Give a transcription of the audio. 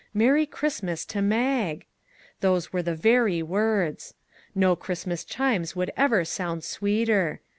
" Merry Christmas to Mag." Those were the very words. No Christmas chimes would ever sound sweeter.